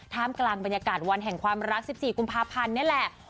กลางบรรยากาศวันแห่งความรัก๑๔กุมภาพันธ์นี่แหละ